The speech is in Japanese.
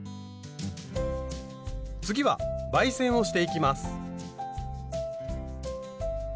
次は媒染をしていきます。